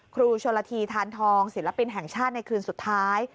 ครูชนละทีทานทองศิลปินแห่งชาติในคืนสุดท้าย